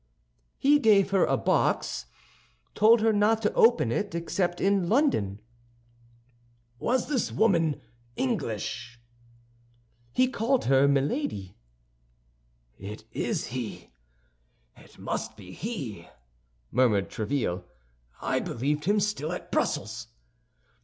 "He gave her a box, told her not to open it except in London." "Was this woman English?" "He called her Milady." "It is he; it must be he!" murmured Tréville. "I believed him still at Brussels."